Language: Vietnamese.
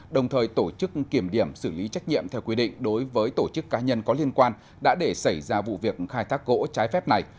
đồng thời tổ chức kiểm điểm xử lý trách nhiệm theo quy định đối với tổ chức cá nhân có liên quan đã để xảy ra vụ việc khai thác gỗ trái phép này